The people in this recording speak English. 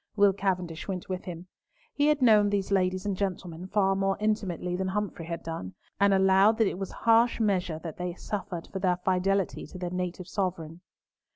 Will Cavendish went with him. He had known these ladies and gentlemen far more intimately than Humfrey had done, and allowed that it was harsh measure that they suffered for their fidelity to their native sovereign.